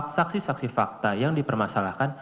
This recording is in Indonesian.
saksi saksi fakta yang dipermasalahkan